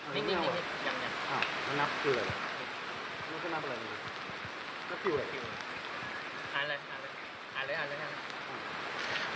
นับคืออะไรนี่นับคืออะไรอ่านเลยอ่านเลยอ่านเลยอ่าน